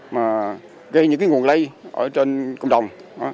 mà gây những nguồn lây ở trên cộng đồng